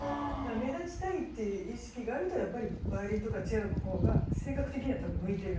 目立ちたいっていう意識があるとやっぱりバイオリンとかチェロのほうが性格的には多分向いてる。